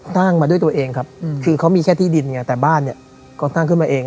ตั้งมาด้วยตัวเองครับคือเขามีแค่ที่ดินแต่บ้านก็ตั้งขึ้นมาเอง